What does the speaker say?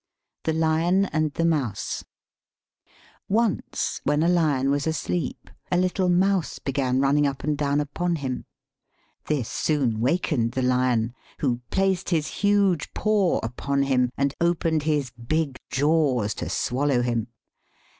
THE LION AND THE MOUSE Once when a lion was asleep a little mouse began running up and down upon him ; this soon wakened the lion, who placed his huge paw upon him, and opened his big jaws to swallow him.